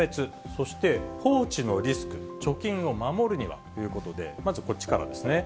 そして、放置のリスク、貯金を守るには？ということで、まずこっちからですね。